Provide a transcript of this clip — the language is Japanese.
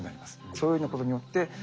そういうようなことによってうん。